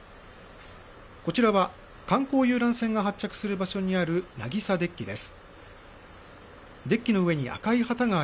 こちらは観光遊覧船が発着する場所にある渚デッキです。